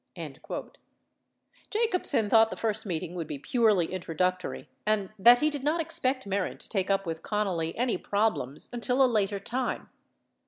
91 J acobsen thought the first meeting would be purely introductory and that he did not expect Mehren to take up with Connally any problems until a later time.